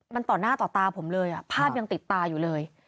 มันต่อหน้าต่อตาผมเลยภาพยังติดตาอยู่เลย